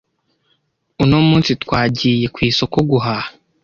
Uno munsi twajyiye ku isoko guhaha .